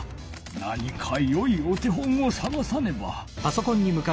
何かよいお手本をさがさねば。